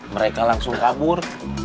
mereka langsung kabur